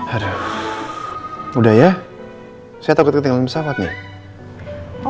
aduh udah ya saya takut ketinggalan bersahabat nih